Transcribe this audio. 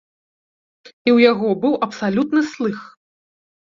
І ў яго быў абсалютны слых!